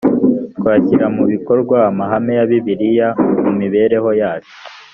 twashyira mu bikorwa amahame ya bibiliya mu mibereho yacu